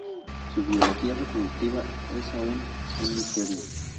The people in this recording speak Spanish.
Su biología reproductiva es aun un misterio.